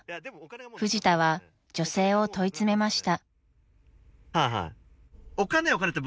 ［フジタは女性を問い詰めました］